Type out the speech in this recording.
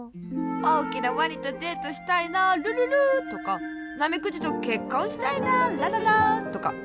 「おおきなワニとデートしたいなルルルー」とか「ナメクジとけっこんしたいなラララー」とか。